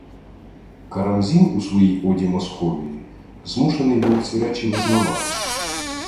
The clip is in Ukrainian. Карамзін у своїй «оді» Московії змушений був ці речі визнавати